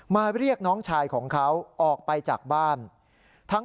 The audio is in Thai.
เรียกน้องชายของเขาออกไปจากบ้าน